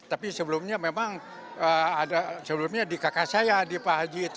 tapi sebelumnya memang ada sebelumnya di kakak saya di pak haji itu